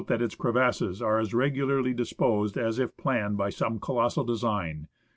that its crevasses are as regularly disposed as if planned on some colossal design.